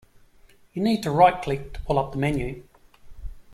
You need to right click to pull up the menu.